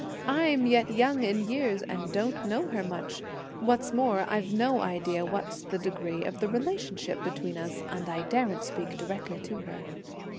I'm yet young in years and don't know her much; what's more, I've no idea what's the degree of the relationship between us, and I daren't speak directly to her."